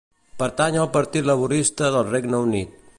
Pertany al Partit Laborista del Regne Unit.